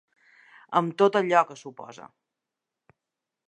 Amb tot allò que suposa.